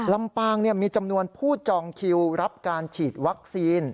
ลำปางมีจำนวนผู้จองคิวรับการฉีดวัคซีน